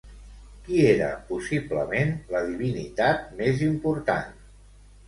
Qui era, possiblement, la divinitat més important?